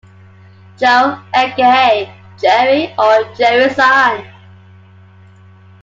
Joe aka Joey or Joey-San.